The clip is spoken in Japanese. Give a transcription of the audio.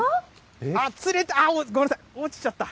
釣れた、ごめんなさい、落ちちゃった。